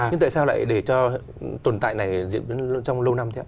nhưng tại sao lại để cho tồn tại này diễn biến trong lâu năm thế ạ